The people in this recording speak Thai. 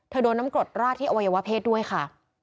โดนน้ำกรดราดที่อวัยวะเพศด้วยค่ะ